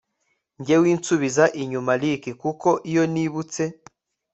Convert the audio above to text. Njye winsubiza inyuma Ricky kuko iyo nibutse